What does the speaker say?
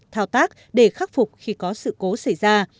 thao tác để khắc phục khi có sự cố xảy ra